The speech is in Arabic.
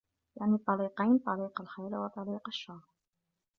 يَعْنِي الطَّرِيقَيْنِ طَرِيقَ الْخَيْرِ وَطَرِيقَ الشَّرِّ